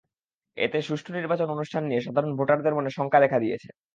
এতে সুষ্ঠু নির্বাচন অনুষ্ঠান নিয়ে সাধারণ ভোটারদের মনে শঙ্কা দেখা দিয়েছে।